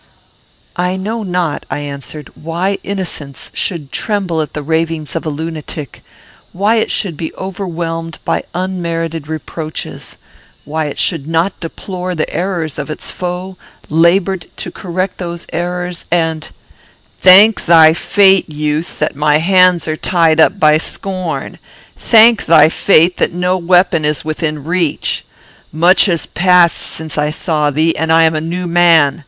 "I know not," I answered, "why innocence should tremble at the ravings of a lunatic; why it should be overwhelmed by unmerited reproaches! Why it should not deplore the errors of its foe, labour to correct those errors, and " "Thank thy fate, youth, that my hands are tied up by my scorn; thank thy fate that no weapon is within reach. Much has passed since I saw thee, and I am a new man.